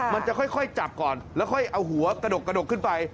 มันจะค่อยจับก่อนแล้วค่อยเอาหัวกระดกกระดกขึ้นไป